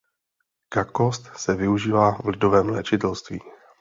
Kakost se využívá v lidovém léčitelství.